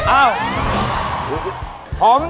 อ้าว